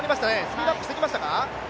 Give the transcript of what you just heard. ペースアップしてきましたか？